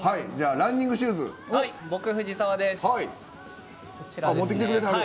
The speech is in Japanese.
ランニングシューズです。